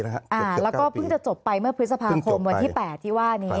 แล้วก็เพิ่งจะจบไปเมื่อพฤษภาคมวันที่๘ที่ว่านี้